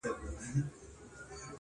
چی لېوه کړه د خره پښې ته خوله ورسمه -